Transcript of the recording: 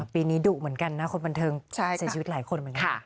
ปีนี้ดุเหมือนกันนะคนบันเทิงใส่ชีวิตหลายคน